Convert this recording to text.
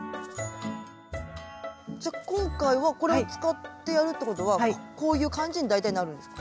今回はこれを使ってやるってことはこういう感じに大体なるんですか？